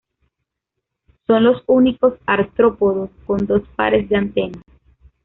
Son los únicos artrópodos con dos pares de antenas.